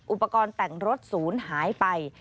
อุปกรณ์แต่งรถศูนย์หายไป